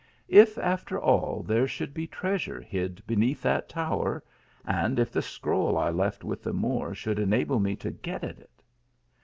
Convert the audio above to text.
" If, after all, there should be treasure hid beneath that tower and if the scroll I left with the Moor should enable me to get at it